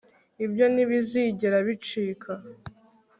ibyo ntibizigera bicika